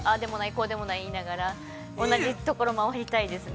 こうでもない言いながら同じところ回りたいですね。